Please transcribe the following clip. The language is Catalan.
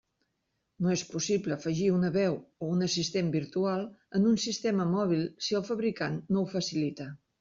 No és possible afegir una veu o un assistent virtual en un sistema mòbil si el fabricant no ho facilita.